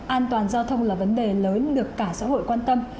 an toàn giao thông là vấn đề lớn được cả xã hội quan tâm